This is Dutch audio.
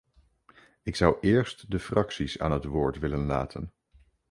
Ik zou eerst de fracties aan het woord willen laten.